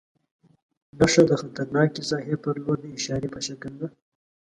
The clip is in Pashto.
نښه د خطرناکې ساحې پر لور د اشارې په شکل ده.